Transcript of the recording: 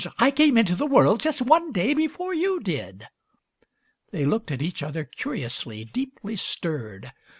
I came into the world just one day before you did!" They looked at each other curiously, deeply stirred.